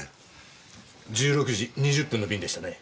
１６時２０分の便でしたね？